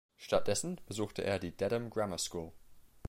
Stattdessen besuchte er die "Dedham Grammar School".